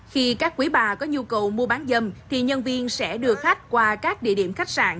khi các quý bà có nhu cầu mua bán dâm thì nhân viên sẽ đưa khách qua các địa điểm khách sạn